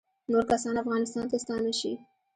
نور کسان افغانستان ته ستانه شي